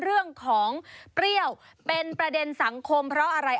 เรื่องของเปรี้ยวเป็นประเด็นสังคมเพราะอะไร